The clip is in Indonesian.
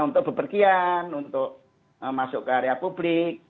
untuk bepergian untuk masuk ke area publik